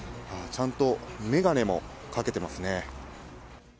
ちゃんと眼鏡もかけてますね。